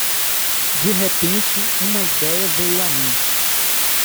De repente, uma ideia veio à mente